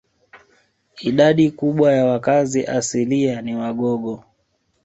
Idadi kubwa ya wakazi asilia ni Wagogo